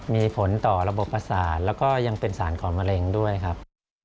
มีผลต่อระบบประสาทแล้วก็ยังเป็นสารของมะเร็งด้วยครับ